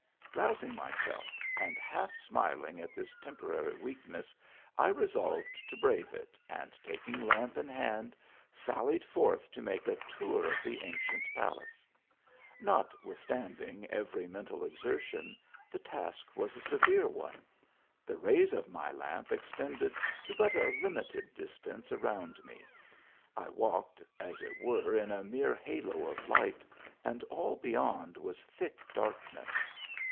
Rousing myself, and half smiling at this tempora ry weakness, I resolved to brave it, and, taking lamp in hand, sallied forth to make a tour of the ancient palace. Notwithstanding every mental exertion, the task was a severe one. The rays of my lamp ex tended to but a limited distance around me ; I walked as it were in a mere halo of light, and all beyond was thick darkness.